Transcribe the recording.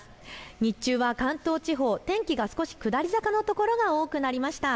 日中は関東地方、天気が少し下り坂の所が多くなりました。